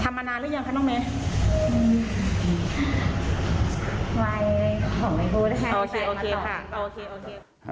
ทำมานานหรือยังคะน้องเมไวของไอ้ผู้ได้ไหมโอเคโอเคค่ะโอเคโอเค